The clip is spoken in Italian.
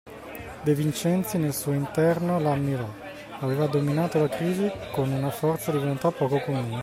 De Vincenzi nel suo interno la ammirò: aveva dominato la crisi con una forza di volontà poco comune;